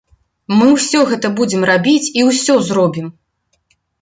Мы ўсё гэта будзем рабіць і ўсё зробім!